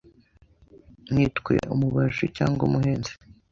Nitwe umubaji cyangwa umuhinzi